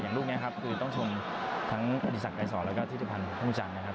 อย่างลูกนี้ครับคือต้องชมทั้งอดีศักดิ์ไกรศรแล้วก็ทฤษภัณฑ์ภูมิจังนะครับ